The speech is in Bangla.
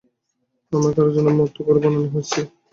আমাকে আরেকজনের মতো করে বানানো হয়েছে।